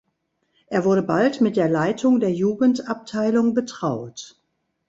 Er wurde bald mit der Leitung der Jugendabteilung betraut.